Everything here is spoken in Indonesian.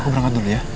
aku berangkat dulu ya